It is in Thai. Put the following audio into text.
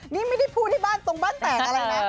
นี่ไม่ได้พูดให้บ้านตรงบ้านแตกอะไรนะ